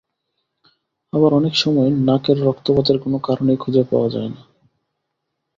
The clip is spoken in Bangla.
আবার অনেক সময় নাকের রক্তপাতের কোনো কারণই খুঁজে পাওয়া যায় না।